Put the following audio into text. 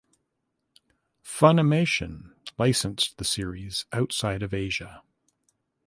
Funimation licensed the series outside of Asia.